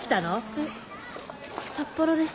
え札幌です。